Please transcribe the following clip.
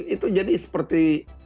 itu jadi seperti